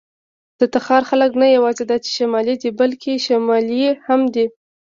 د تخار خلک نه یواځې دا چې شمالي دي، بلکې شمالي هم دي.